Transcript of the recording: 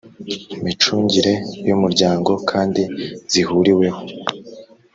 micungire y umuryango kandi zihuriweho